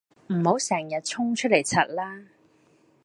唔好成日衝出嚟柒啦